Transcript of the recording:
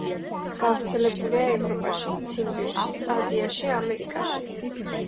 გავრცელებულია ევროპაში, ციმბირში, აზიაში, ამერიკაში.